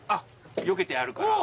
よけてあるからうん。